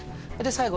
最後